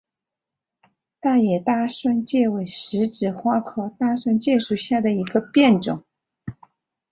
大叶大蒜芥为十字花科大蒜芥属下的一个变种。